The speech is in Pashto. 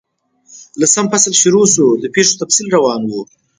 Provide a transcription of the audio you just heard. لسم فصل شروع شو، د پیښو تفصیل روان وو.